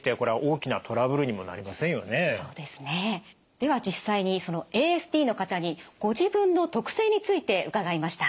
では実際にＡＳＤの方にご自分の特性について伺いました。